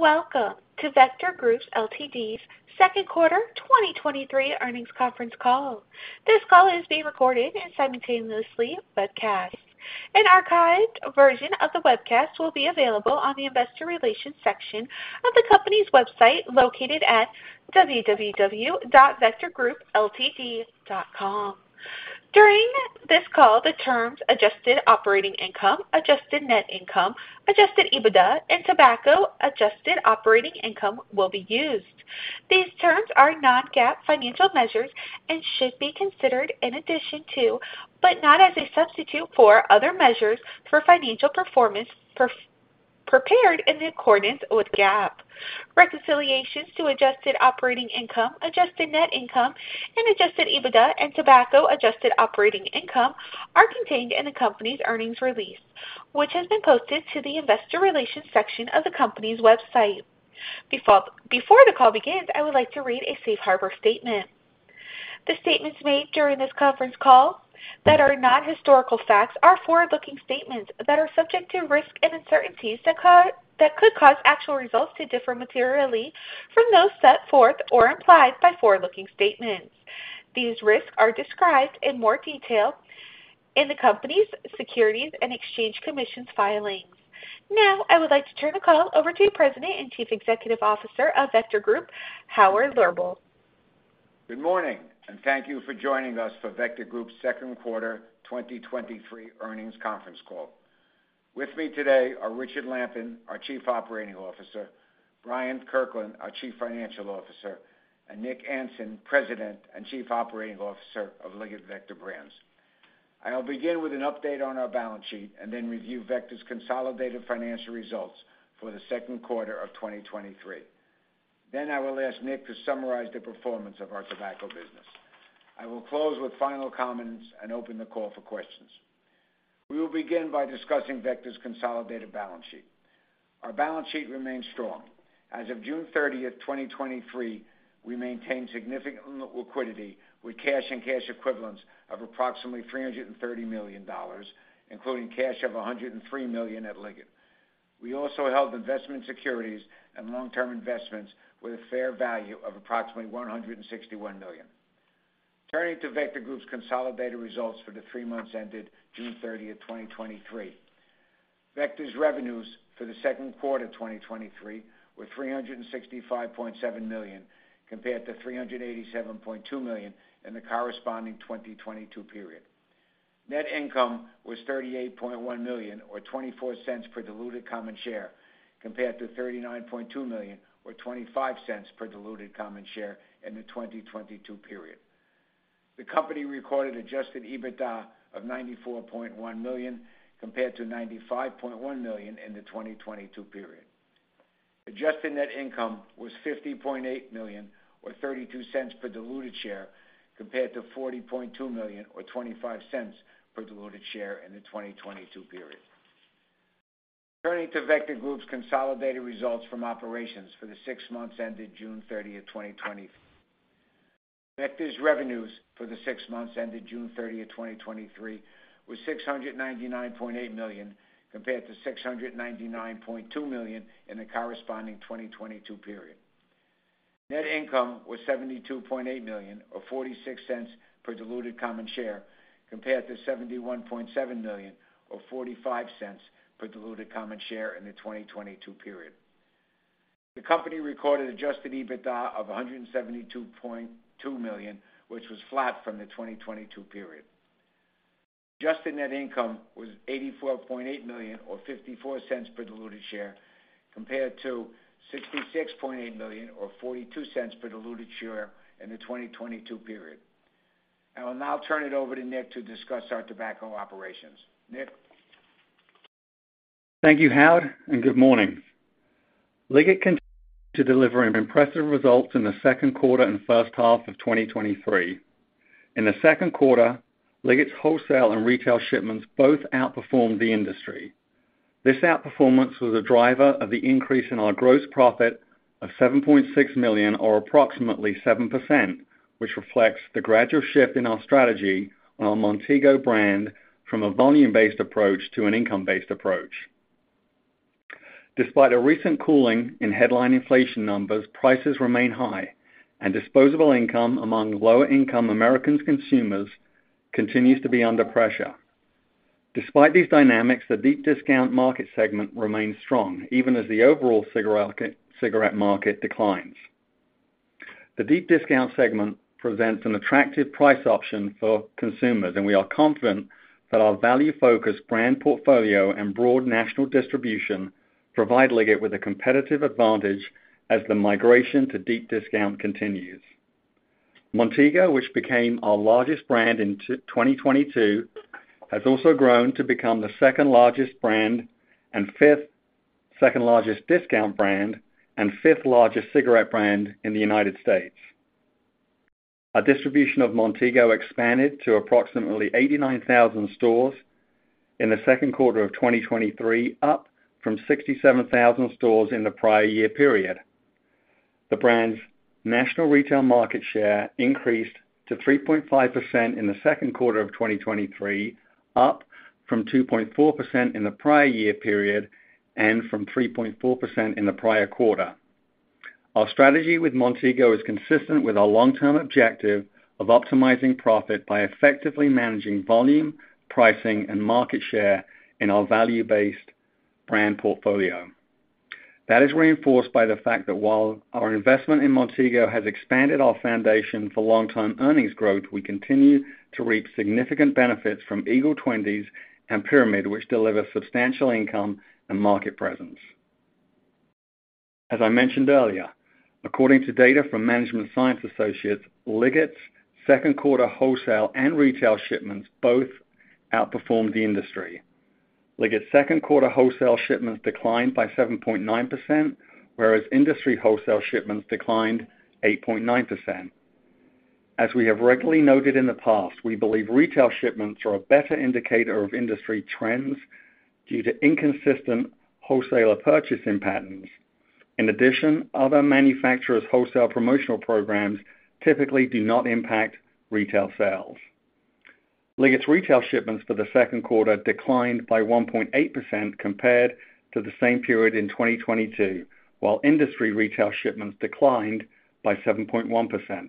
Welcome to Vector Group Ltd.'s second quarter 2023 earnings conference call. This call is being recorded and simultaneously webcast. An archived version of the webcast will be available on the Investor Relations section of the company's website, located at www.vectorgroupltd.com. During this call, the terms adjusted operating income, adjusted net income, Adjusted EBITDA, and Tobacco Adjusted Operating Income will be used. These terms are non-GAAP financial measures and should be considered in addition to, but not as a substitute for, other measures for financial performance prepared in accordance with GAAP. Reconciliations to adjusted operating income, adjusted net income, Adjusted EBITDA, and Tobacco Adjusted Operating Income are contained in the company's earnings release, which has been posted to the Investor Relations section of the company's website. Before the call begins, I would like to read a safe harbor statement. The statements made during this conference call that are not historical facts are forward-looking statements that are subject to risks and uncertainties that that could cause actual results to differ materially from those set forth or implied by forward-looking statements. These risks are described in more detail in the company's Securities and Exchange Commission's filings. Now, I would like to turn the call over to President and Chief Executive Officer of Vector Group, Howard Lorber. Good morning, and thank you for joining us for Vector Group's second quarter 2023 earnings conference call. With me today are Richard Lampen, our Chief Operating Officer; Bryant Kirkland, our Chief Financial Officer; and Nick Anson, President and Chief Operating Officer of Liggett Vector Brands. I'll begin with an update on our balance sheet and then review Vector's consolidated financial results for the second quarter of 2023. I will ask Nick to summarize the performance of our tobacco business. I will close with final comments and open the call for questions. We will begin by discussing Vector's consolidated balance sheet. Our balance sheet remains strong. As of June thirtieth, 2023, we maintained significant liquidity with cash and cash equivalents of approximately $330 million, including cash of $103 million at Liggett. We also held investment securities and long-term investments with a fair value of approximately $161 million. Turning to Vector Group's consolidated results for the three months ended June 30, 2023. Vector's revenues for the second quarter 2023 were $365.7 million, compared to $387.2 million in the corresponding 2022 period. Net income was $38.1 million, or $0.24 per diluted common share, compared to $39.2 million, or $0.25 per diluted common share in the 2022 period. The company recorded Adjusted EBITDA of $94.1 million, compared to $95.1 million in the 2022 period. Adjusted net income was $50.8 million or $0.32 per diluted share, compared to $40.2 million or $0.25 per diluted share in the 2022 period. Turning to Vector Group's consolidated results from operations for the six months ended June thirtieth, 2023. Vector's revenues for the six months ended June thirtieth, 2023, was $699.8 million, compared to $699.2 million in the corresponding 2022 period. Net income was $72.8 million or $0.46 per diluted common share, compared to $71.7 million or $0.45 per diluted common share in the 2022 period. The company recorded Adjusted EBITDA of $172.2 million, which was flat from the 2022 period. Adjusted net income was $84.8 million or $0.54 per diluted share, compared to $66.8 million or $0.42 per diluted share in the 2022 period. I will now turn it over to Nick to discuss our tobacco operations. Nick? Thank you, Howard, and good morning. Liggett continued to deliver an impressive results in the second quarter and first half of 2023. In the second quarter, Liggett's wholesale and retail shipments both outperformed the industry. This outperformance was a driver of the increase in our gross profit of $7.6 million, or approximately 7%, which reflects the gradual shift in our strategy on our Montego brand from a volume-based approach to an income-based approach. Despite a recent cooling in headline inflation numbers, prices remain high, and disposable income among lower-income Americans consumers continues to be under pressure. Despite these dynamics, the deep discount market segment remains strong, even as the overall cigarette market declines. The deep discount segment presents an attractive price option for consumers, and we are confident that our value-focused brand portfolio and broad national distribution provide Liggett with a competitive advantage as the migration to deep discount continues. Montego, which became our largest brand in 2022, has also grown to become the second-largest brand and second-largest discount brand, and fifth-largest cigarette brand in the United States. Our distribution of Montego expanded to approximately 89,000 stores in the second quarter of 2023, up from 67,000 stores in the prior year period. The brand's national retail market share increased to 3.5% in the second quarter of 2023, up from 2.4% in the prior year period and from 3.4% in the prior quarter. Our strategy with Montego is consistent with our long-term objective of optimizing profit by effectively managing volume, pricing, and market share in our value-based brand portfolio. That is reinforced by the fact that while our investment in Montego has expanded our foundation for long-term earnings growth, we continue to reap significant benefits from Eagle 20's and Pyramid, which deliver substantial income and market presence. As I mentioned earlier, according to data from Management Science Associates, Liggett's second quarter wholesale and retail shipments both outperformed the industry. Liggett's second quarter wholesale shipments declined by 7.9%, whereas industry wholesale shipments declined 8.9%. As we have regularly noted in the past, we believe retail shipments are a better indicator of industry trends due to inconsistent wholesaler purchasing patterns. In addition, other manufacturers' wholesale promotional programs typically do not impact retail sales. Liggett's retail shipments for the second quarter declined by 1.8% compared to the same period in 2022, while industry retail shipments declined by 7.1%.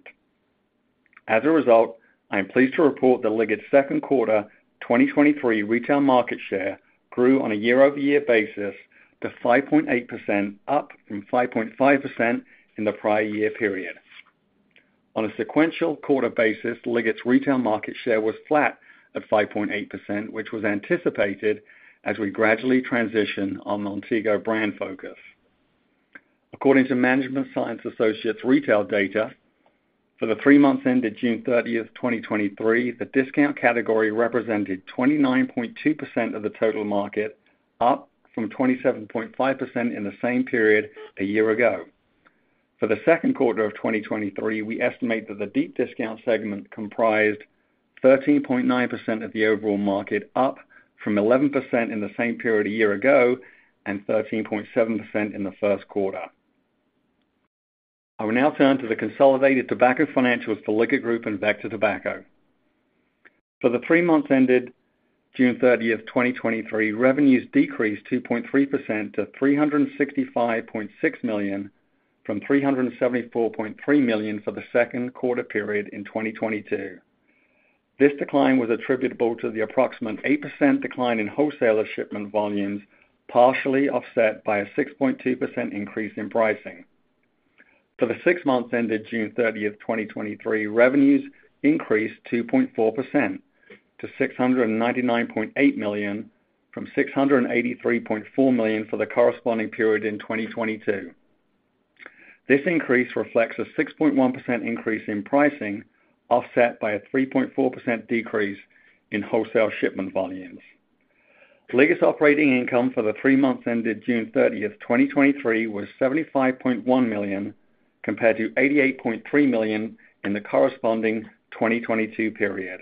As a result, I am pleased to report that Liggett's second quarter 2023 retail market share grew on a year-over-year basis to 5.8%, up from 5.5% in the prior year period. On a sequential quarter basis, Liggett's retail market share was flat at 5.8%, which was anticipated as we gradually transition on Montego brand focus. According to Management Science Associates retail data, for the three months ended June 30th, 2023, the discount category represented 29.2% of the total market, up from 27.5% in the same period a year ago. For the second quarter of 2023, we estimate that the deep discount segment comprised 13.9% of the overall market, up from 11% in the same period a year ago, and 13.7% in the first quarter. I will now turn to the consolidated tobacco financials for Liggett Group and Vector Tobacco. For the 3 months ended June 30th, 2023, revenues decreased 2.3% to $365.6 million, from $374.3 million for the second quarter period in 2022. This decline was attributable to the approximate 8% decline in wholesaler shipment volumes, partially offset by a 6.2% increase in pricing. For the six months ended June 30th, 2023, revenues increased 2.4% to $699.8 million, from $683.4 million for the corresponding period in 2022. This increase reflects a 6.1% increase in pricing, offset by a 3.4% decrease in wholesale shipment volumes. Liggett's operating income for the three months ended June 30th, 2023, was $75.1 million, compared to $88.3 million in the corresponding 2022 period.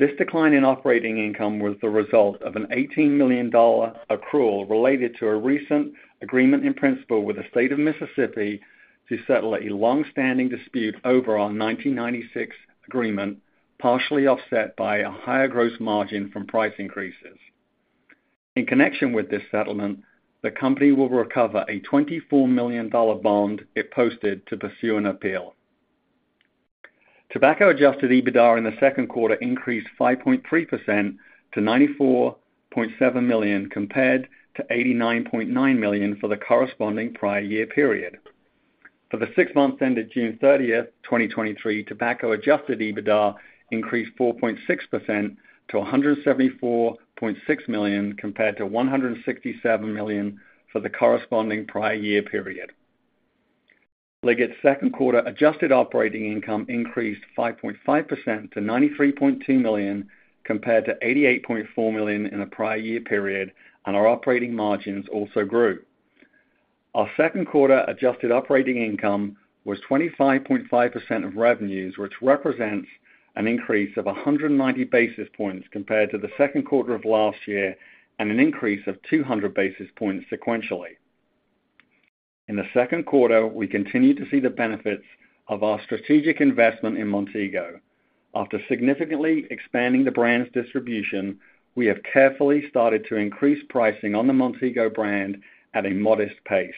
This decline in operating income was the result of an $18 million accrual related to a recent agreement in principle with the state of Mississippi to settle a long-standing dispute over our 1996 agreement, partially offset by a higher gross margin from price increases. In connection with this settlement, the company will recover a $24 million bond it posted to pursue an appeal. Tobaccodjusted EBITDA in the second quarter increased 5.3% to $94.7 million, compared to $89.9 million for the corresponding prior year period. For the six months ended June 30, 2023, Tobacco Adjusted EBITDA increased 4.6% to $174.6 million, compared to $167 million for the corresponding prior year period. Liggett's second quarter adjusted operating income increased 5.5% to $93.2 million, compared to $88.4 million in the prior year period, and our operating margins also grew. Our second quarter adjusted operating income was 25.5% of revenues, which represents an increase of 190 basis points compared to the second quarter of last year, and an increase of 200 basis points sequentially. In the second quarter, we continued to see the benefits of our strategic investment in Montego. After significantly expanding the brand's distribution, we have carefully started to increase pricing on the Montego brand at a modest pace.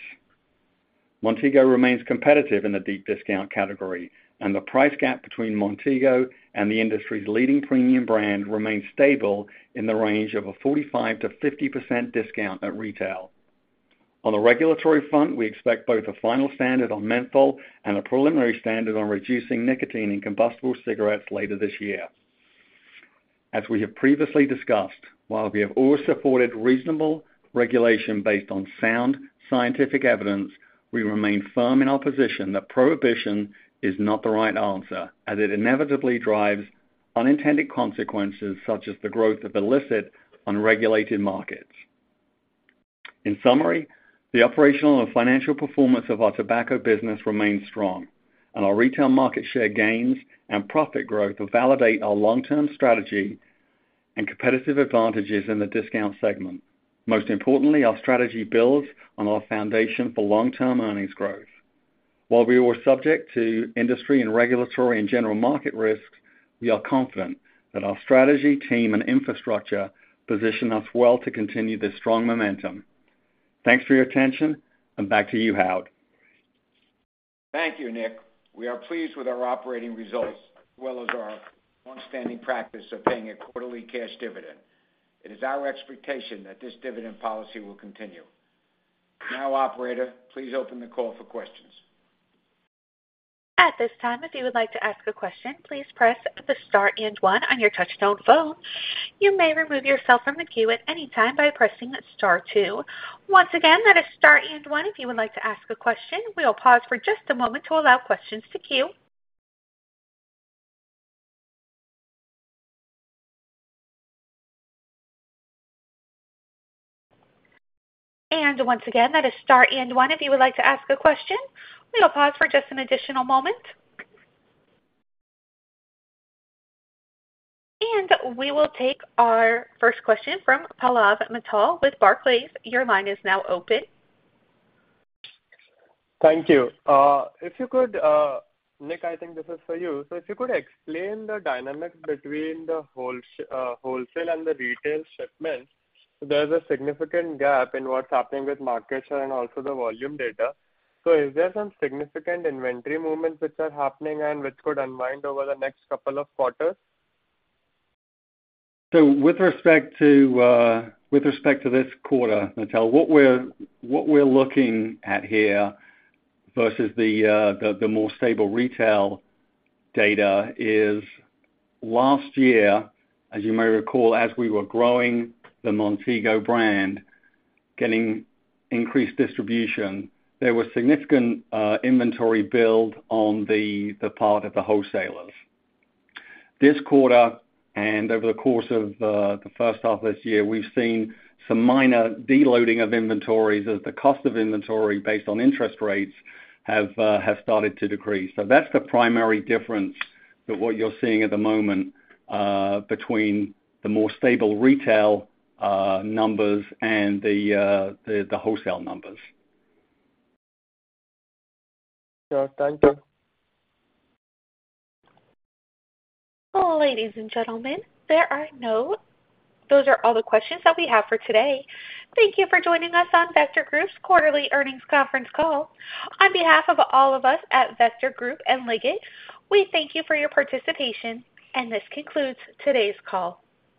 Montego remains competitive in the deep discount category, and the price gap between Montego and the industry's leading premium brand remains stable in the range of a 45%-50% discount at retail. On the regulatory front, we expect both a final standard on menthol and a preliminary standard on reducing nicotine in combustible cigarettes later this year. As we have previously discussed, while we have always supported reasonable regulation based on sound scientific evidence, we remain firm in our position that prohibition is not the right answer, as it inevitably drives unintended consequences, such as the growth of illicit, unregulated markets. In summary, the operational and financial performance of our tobacco business remains strong, and our retail market share gains and profit growth validate our long-term strategy and competitive advantages in the discount segment. Most importantly, our strategy builds on our foundation for long-term earnings growth. While we were subject to industry and regulatory and general market risks, we are confident that our strategy, team, and infrastructure position us well to continue this strong momentum. Thanks for your attention, and back to you, Howard. Thank you, Nick. We are pleased with our operating results, as well as our long-standing practice of paying a quarterly cash dividend. It is our expectation that this dividend policy will continue. Operator, please open the call for questions. At this time, if you would like to ask a question, please press the star and one on your touchtone phone. You may remove yourself from the queue at any time by pressing star two. Once again, that is star and one if you would like to ask a question. We'll pause for just a moment to allow questions to queue. Once again, that is star and one if you would like to ask a question. We'll pause for just an additional moment. We will take our first question from Pallav Mittal with Barclays. Your line is now open. Thank you. If you could, Nick, I think this is for you. If you could explain the dynamic between the wholesale and the retail shipments, there's a significant gap in what's happening with market share and also the volume data. Is there some significant inventory movements which are happening and which could unwind over the next couple of quarters? With respect to, with respect to this quarter, Mittal, what we're, what we're looking at here versus the, the, the more stable retail data is last year, as you may recall, as we were growing the Montego brand, getting increased distribution, there was significant inventory build on the, the part of the wholesalers. This quarter, and over the course of the first half of this year, we've seen some minor deloading of inventories as the cost of inventory based on interest rates have, have started to decrease. That's the primary difference to what you're seeing at the moment, between the more stable retail, numbers and the, the, the wholesale numbers. Sure. Thank you. Ladies and gentlemen, those are all the questions that we have for today. Thank you for joining us on Vector Group's quarterly earnings conference call. On behalf of all of us at Vector Group and Liggett, we thank you for your participation. This concludes today's call.